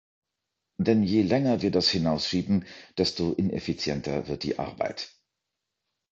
Denn je länger wir das hinausschieben, desto ineffizienter wird die Arbeit.